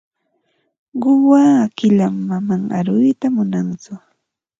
Quwaa qilam, manam aruyta munantsu.